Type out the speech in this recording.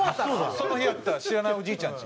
その日会った知らないおじいちゃんちに。